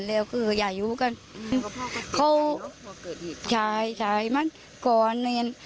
ใช่มันก็ใจก่อนเนี่ย